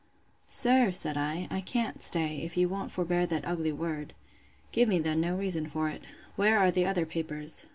Sir, said I, I can't stay, if you won't forbear that ugly word.—Give me then no reason for it. Where are the other papers?